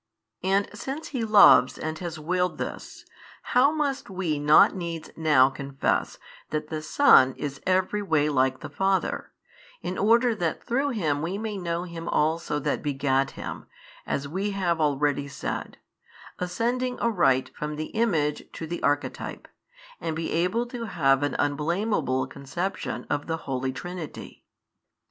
And since He loves |576 and has willed this, how must we not needs now confess that the Son is every way like the Father, in order that through Him we may know Him also That begat Him, as we have already said, ascending aright from the Image to the Archetype, and be able to have an unblameable conception of the Holy Trinity?